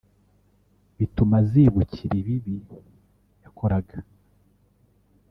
bituma azibukira ibibi yakoraga